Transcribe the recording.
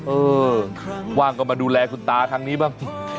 เออว่างก็มาดูแลคุณตาทางนี้บ้าง